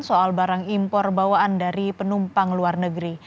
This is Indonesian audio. soal barang impor bawaan dari penumpang luar negeri